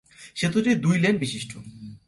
সেতুটি দুই লেন বিশিষ্ট।